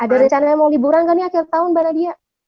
ada rencana mau liburan kan ini akhir tahun mbak nadia